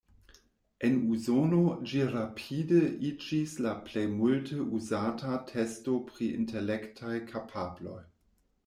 En Usono ĝi rapide iĝis la plej multe uzata testo pri intelektaj kapabloj.